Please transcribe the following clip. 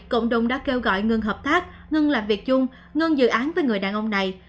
cộng đồng đã kêu gọi ngừng hợp tác ngừng làm việc chung ngưng dự án với người đàn ông này